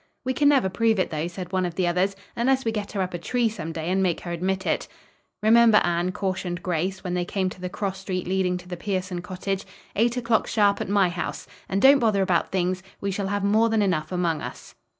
"We can never prove it, though," said one of the others, "unless we get her up a tree some day and make her admit it." "Remember, Anne," cautioned Grace, when they came to the cross street leading to the Pierson cottage, "eight o'clock sharp at my house! And don't bother about things. We shall have more than enough among us."